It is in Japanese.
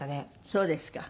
そうですか。